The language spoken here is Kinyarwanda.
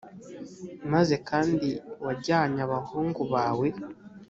maze kandi wajyanye abahungu bawe